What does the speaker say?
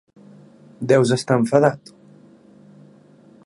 Deus estar enfadat.